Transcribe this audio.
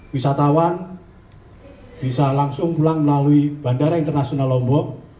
wisatawan bisa langsung pulang melalui bandara internasional lombok